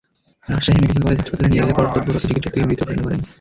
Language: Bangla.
রাজশাহী মেডিকেল কলেজ হাসপাতালে নিয়ে গেলে কর্তব্যরত চিকিৎসক তাঁকে মৃত ঘোষণা করেন।